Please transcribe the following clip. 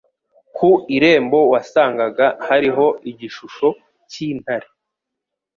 Ku irembo wasangaga hariho igishusho cy'intare.